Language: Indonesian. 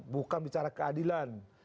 bukan bicara keadilan